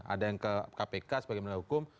ada yang ke kpk sebagai penegak hukum